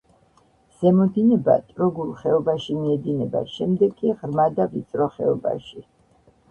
ზემო დინება ტროგულ ხეობაში მიედინება, შემდეგ კი ღრმა და ვიწრო ხეობაში.